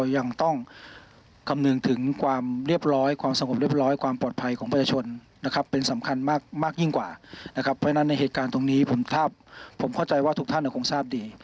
เพราะฉะนั้นในเหตุการณ์ตรงนี้ผมเข้าใจว่าทุกท่านคงทราบดี